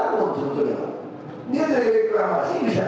sampai semua enggak bisa